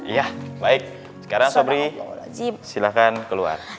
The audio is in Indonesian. iya baik sekarang sobri silakan keluar